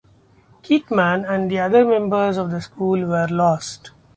Keetman and the other members of the school were lost.